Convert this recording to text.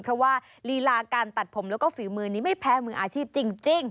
เพราะว่าลีลาการตัดผมแล้วก็ฝีมือนี้ไม่แพ้มืออาชีพจริง